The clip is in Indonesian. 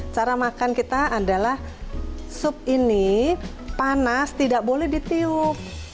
cara makan kita adalah sup ini panas tidak boleh ditiup